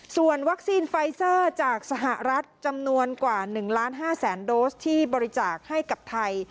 ส่วนวัคซีนไฟเซอร์จากสหรัฐจำนวนกว่า๑ล้าน๕แสนโดสที่บริจาคให้กับไทย